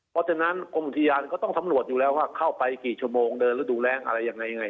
เพราะฉะนั้นกรมอุทยานก็ต้องสำรวจอยู่แล้วว่าเข้าไปกี่ชั่วโมงเดินฤดูแรงอะไรยังไง